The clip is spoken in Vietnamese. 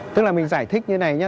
tức là mình giải thích như thế này nhé